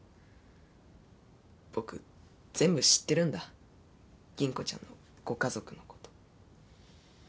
僕全部知ってるんだ吟子ちゃんのご家族のこと。